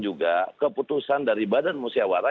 juga keputusan dari badan musyawarah